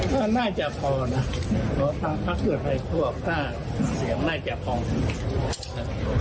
เพราะผมจะได้เสียงพอในครั้งนี้